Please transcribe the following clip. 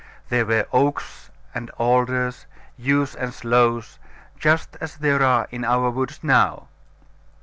There were oaks and alders, yews and sloes, just as there are in our woods now.